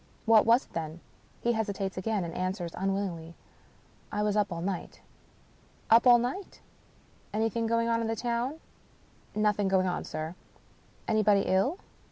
"What was it, then?" He hesitates again, and answers unwillingly, " I was up all night." " Up all night ? Anything going on in the town ?"" Nothing going on, sir." "Anybody ill?"